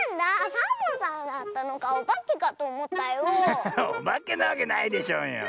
ハハハおばけなわけないでしょうよ。